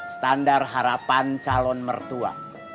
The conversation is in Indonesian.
standar harapan calon mertua